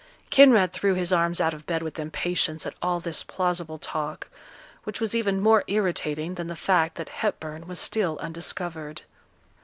Kinraid threw his arms out of bed with impatience at all this plausible talk, which was even more irritating than the fact that Hepburn was still undiscovered.